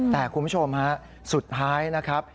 แต่คุณผู้ชมฮะสุดท้ายนะครับ